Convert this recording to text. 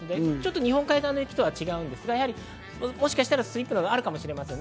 日本海側の雪とは違いますが、もしかしたらスリップなどがあるかもしれません。